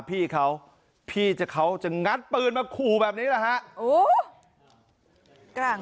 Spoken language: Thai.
พี่เขาพี่จะเขาจะงัดปืนมาขู่แบบนี้แหละฮะ